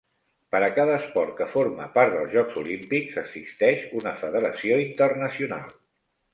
Per a cada esport que forma part dels Jocs Olímpics, existeix una federació internacional.